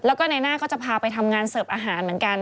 แล้วก็ในหน้าก็จะพาไปทำงานเสิร์ฟอาหารเหมือนกัน